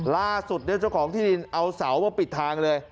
ล่าสุดเจ้าของที่ดินเอาเสามาปิดทางเลย